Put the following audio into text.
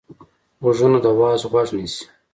غوږونه د وعظ غوږ نیسي